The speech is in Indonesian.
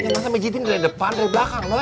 ya nanti saya pijitin dari depan dari belakang noy